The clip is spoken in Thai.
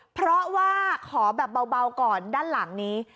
เพราะว่าขอแบบเบาก่อนด้านหลังนี้